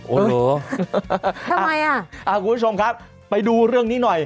โอ้โหทำไมอ่ะคุณผู้ชมครับไปดูเรื่องนี้หน่อย